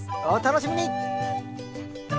お楽しみに！